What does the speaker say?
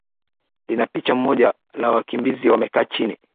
lina picha moja la wakimbizi wamekaa chini